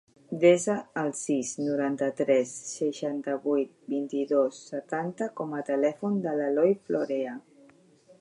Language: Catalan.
Desa el sis, noranta-tres, seixanta-vuit, vint-i-dos, setanta com a telèfon de l'Eloy Florea.